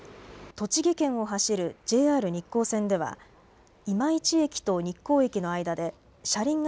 栃木県を走るＪＲ日光線では今市駅と日光駅の間で車輪が